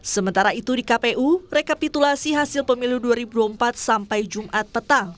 sementara itu di kpu rekapitulasi hasil pemilu dua ribu dua puluh empat sampai jumat petang